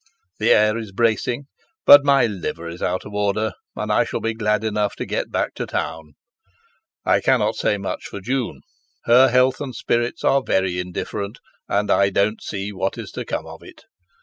The air is bracing, but my liver is out of order, and I shall be glad enough to get back to town. I cannot say much for June, her health and spirits are very indifferent, and I don't see what is to come of it.